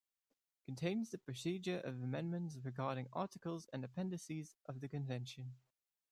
Contains the procedure of amendments regarding articles and Appendices of the Convention.